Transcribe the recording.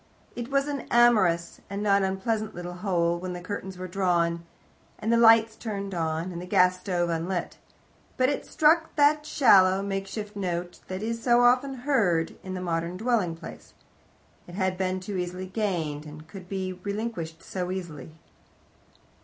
It was an amorous and not unpleasant little hole when the curtains were drawn, and the lights turned on, and the gas stove unlit. But it struck that shallow makeshift note that is so often heard in the modem dwelling place. It had been too easily gained, and could be relinquished too easily.